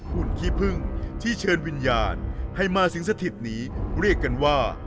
หุ่นขี้พึ่งที่เชิญวิญญาณให้มาสิงสถิตนี้เรียกกันว่า